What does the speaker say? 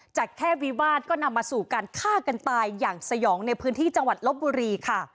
จากแค่วิวาสก็นำมาสู่การฆ่ากันตายอย่างสยองในพื้นที่จังหวัดลบบุรีค่ะ